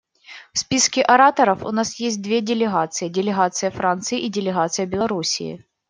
В списке ораторов у нас есть две делегации: делегация Франции и делегация Беларуси.